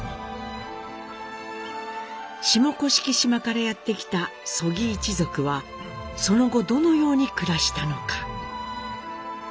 下甑島からやって来た曽木一族はその後どのように暮らしたのか？